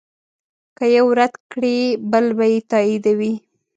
که یو رد کړې بل به یې تاییدوي.